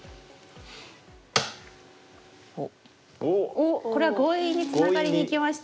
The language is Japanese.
おっこれは強引にツナがりにいきましたね。